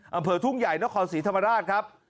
อำเภอทุ่งใหญ่นครศรีธรรมราชครับ